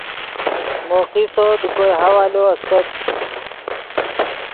مو قصو دے کوئے حوالو استت